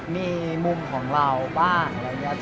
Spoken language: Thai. มีมุมของเราบ้าง